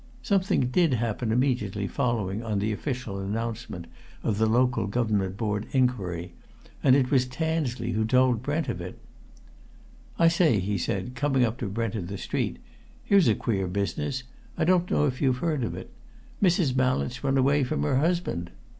Something did happen immediately following on the official announcement of the Local Government Board inquiry, and it was Tansley who told Brent of it. "I say," he said, coming up to Brent in the street, "here's a queer business I don't know if you've heard of it. Mrs. Mallett's run away from her husband!